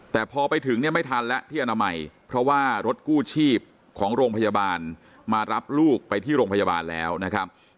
แต่พอไปถึงเนี่ยไม่ทันแล้วที่อนามัยเพราะว่ารถกู้ชีพของโรงพยาบาลมารับลูกไปที่โรงพยาบาลแล้วนะครับ